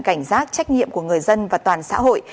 cảnh giác trách nhiệm của người dân và toàn xã hội